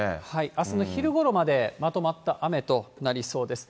あすの昼ごろまでまとまった雨となりそうです。